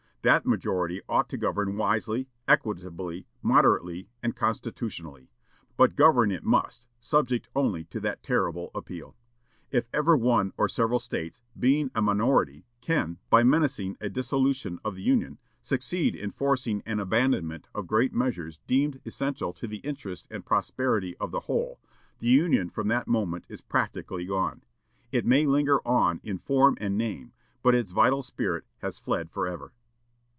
That majority ought to govern wisely, equitably, moderately, and constitutionally; but govern it must, subject only to that terrible appeal. If ever one or several States, being a minority, can, by menacing a dissolution of the Union, succeed in forcing an abandonment of great measures deemed essential to the interests and prosperity of the whole, the Union from that moment is practically gone. It may linger on in form and name, but its vital spirit has fled forever."